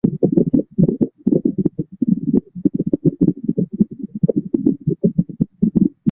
无茎粟米草为番杏科粟米草属下的一个种。